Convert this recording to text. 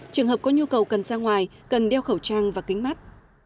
trường hợp có nhu cầu cần ra ngoài cần đeo khẩu trang và kính mắt